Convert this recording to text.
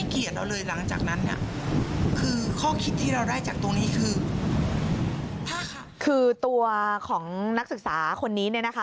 คือตัวของนักศึกษาคนนี้เนี่ยนะคะ